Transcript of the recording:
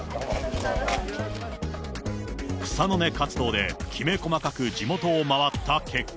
草の根活動で、きめ細かく地元を回った結果。